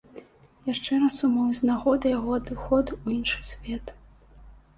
Я шчыра сумую з нагоды яго адыходу ў іншы свет.